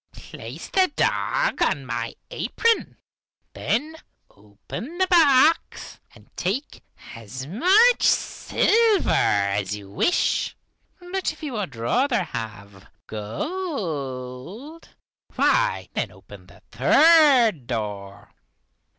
Place the dog on my apron, then open the box and take as much silver as you wish. But if you would rather have gold, why, then open the third door.